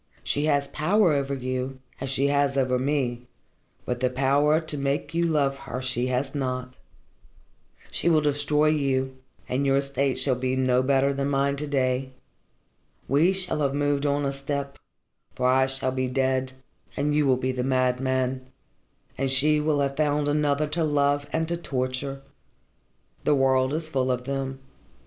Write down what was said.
She has power over you, as she has over me, but the power to make you love her she has not. She will destroy you, and your state will be no better than mine to day. We shall have moved on a step, for I shall be dead and you will be the madman, and she will have found another to love and to torture. The world is full of them.